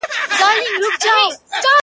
د بدمستۍ برزخ ته ټول عقل سپارمه ځمه,